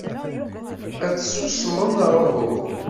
Ad tsusmeḍ neɣ uhu?